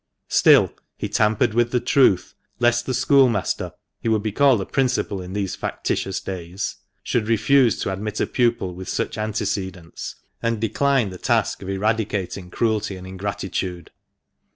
Still he tampered with the truth, lest the school master (he would be called a Principal in these factitious days) should refuse to admit a pupil with such antecedents, and decline the task of eradicating cruelty and ingratitude.